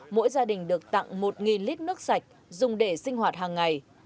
mỗi gia đình được tặng một lít nước sạch dùng để sinh hoạt hàng ngày